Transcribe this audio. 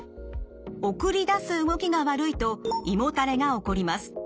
送り出す動きが悪いと胃もたれが起こります。